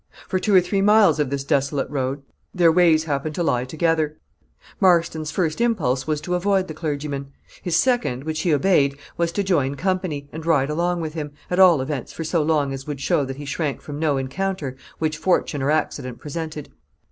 For two or three miles of this desolate road, their ways happened to lie together. Marston's first impulse was to avoid the clergyman; his second, which he obeyed, was to join company, and ride along with him, at all events, for so long as would show that he shrank from no encounter which fortune or accident presented.